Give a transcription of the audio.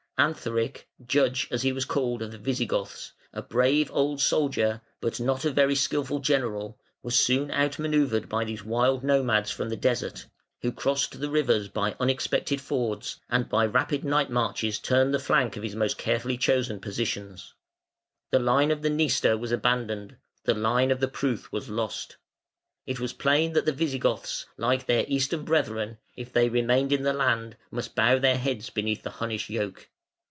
Athanaric, "Judge" (as he was called) of the Visigoths, a brave, old soldier, but not a very skilful general, was soon out manœuvred by these wild nomads from the desert, who crossed the rivers by unexpected fords, and by rapid night marches turned the flank of his most carefully chosen positions. The line of the Dniester was abandoned; the line of the Pruth was lost. It was plain that the Visigoths, like their Eastern brethren, if they remained in the land, must bow their heads beneath the Hunnish yoke.